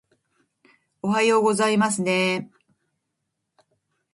おはようございますねー